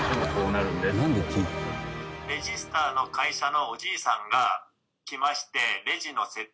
レジスターの会社のおじいさんが来まして。